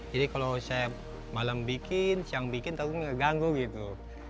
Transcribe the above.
jadi kalau saya malam bikin siang bikin terlalu mengganggu